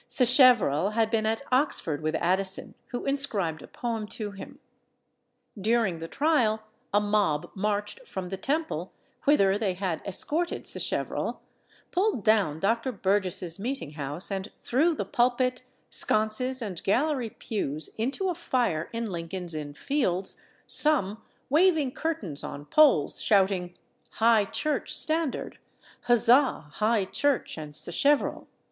Sacheverell had been at Oxford with Addison, who inscribed a poem to him. During the trial, a mob marched from the Temple, whither they had escorted Sacheverell, pulled down Dr. Burgess's meeting house, and threw the pulpit, sconces, and gallery pews into a fire in Lincoln's Inn Fields, some waving curtains on poles, shouting, "High Church standard!" "Huzza! High Church and Sacheverell!"